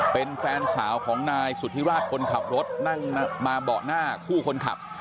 เป็นแฟนสาวของนายสุธิราชคนขับรถนั่งมาเบาะหน้าคู่คนขับ